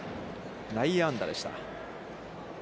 内野安打でした。